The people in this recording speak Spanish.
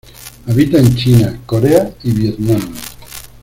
Habita en China, Corea y Vietnam.